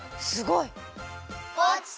すごいっ！